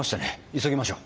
急ぎましょう。